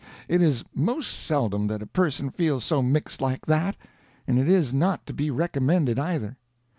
It is most seldom that a person feels so mixed like that; and it is not to be recommended, either.